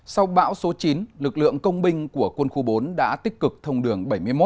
sau bão số chín lực lượng công binh của quân khu bốn đã tích cực thông đường bảy mươi một